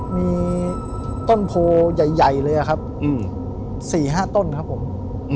มีต้นโพใหญ่เลยครับ๔๕ต้นครับผม